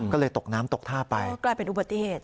ก็เลยตกน้ำตกท่าไปกลายเป็นอุบัติเหตุ